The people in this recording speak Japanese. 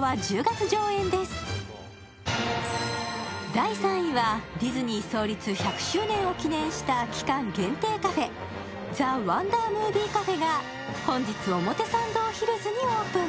第３位はディズニー創立１００周年を記念した期間限定カフェＴｈｅＷｏｎｄｅｒＭｏｖｉｅＣＡＦＥが本日表参道ヒルズにオープン。